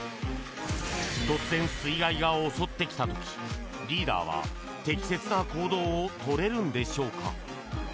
突然、水害が襲ってきた時リーダーは適切な行動を取れるのでしょうか？